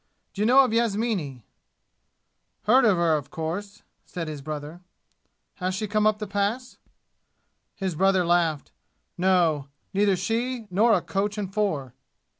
"D'you know of Yasmini?" "Heard of her of course," said his brother. "Has she come up the Pass?" His brother laughed. "No, neither she nor a coach and four."